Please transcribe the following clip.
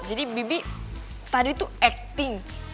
jadi bibi tadi tuh acting